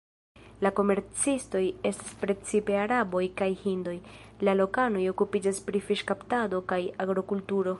La komercistoj estas precipe araboj kaj hindoj; la lokanoj okupiĝas pri fiŝkaptado kaj agrokulturo.